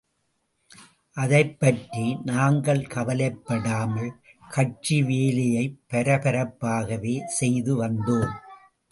அதைப் பற்றி நாங்கள் கவலைப்படாமல் கட்சி வேலையை பரபரப்பாகவே செய்து வந்தோம்.